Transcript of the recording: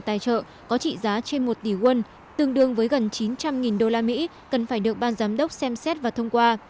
tài trợ có trị giá trên một tỷ won tương đương với gần chín trăm linh usd cần phải được ban giám đốc xem xét và thông qua